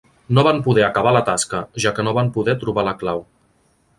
No van poder acabar la tasca, ja que no van poder trobar la clau.